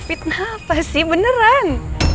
fitnah apa sih beneran